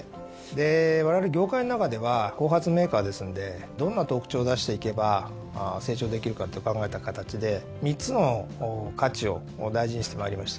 でわれわれ業界の中では後発メーカーですのでどんな特徴を出していけば成長できるかって考えた形で３つの価値を大事にしてまいりました。